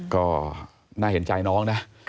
ก็น่าเห็นใจน้องนะ